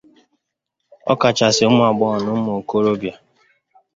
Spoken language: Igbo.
ọ kachasị ụmụ agbọghọ na ụmụ okorobịa